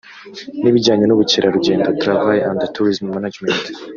n’ibijyanye n’ubukerarugendo (Travel and Tourism Management)